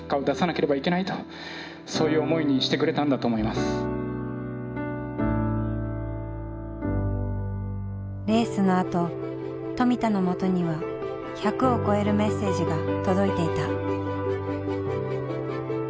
やはりレースのあと富田のもとには１００を超えるメッセージが届いていた。